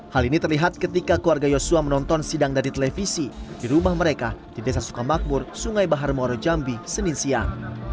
hal ini terlihat ketika keluarga yosua menonton sidang dari televisi di rumah mereka di desa sukamakbur sungai bahar moro jambi senin siang